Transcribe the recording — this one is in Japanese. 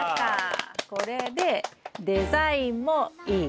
これでデザインもいい。